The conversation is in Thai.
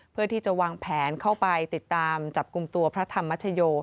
เพื่อที่จะวางแผนเข้าไปติดตามจับกลุ่มตัวพระธรรมชโย